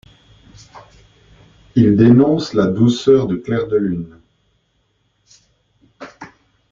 Ils dénoncent la douceur du clair de lune.